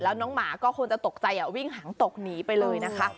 แล้วน้องหมาก็คงจะตกใจวิ่งหางตกหนีไปเลยนะคะ